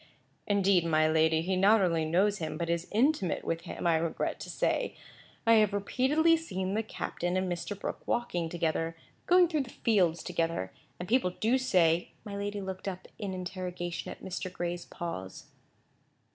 "Indeed, my lady, he not only knows him, but is intimate with him, I regret to say. I have repeatedly seen the captain and Mr. Brooke walking together; going through the fields together; and people do say—" My lady looked up in interrogation at Mr. Gray's pause.